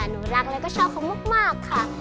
หนูรักแล้วก็ชอบเขามากค่ะ